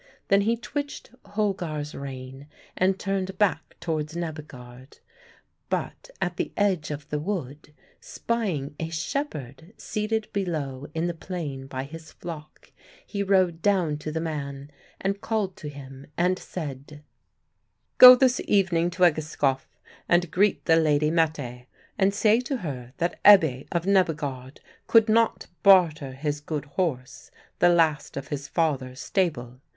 Then he twitched Holgar's rein and turned back towards Nebbegaard. But at the edge of the wood, spying a shepherd seated below in the plain by his flock, he rode down to the man, and called to him and said "Go this evening to Egeskov and greet the lady Mette, and say to her that Ebbe of Nebbegaard could not barter his good horse, the last of his father's stable.